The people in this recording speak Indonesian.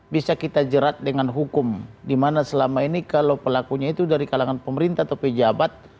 bisa kita jerat dengan hukum dimana selama ini kalau pelakunya itu dari kalangan pemerintah atau pejabat